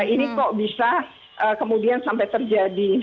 ini kok bisa kemudian sampai terjadi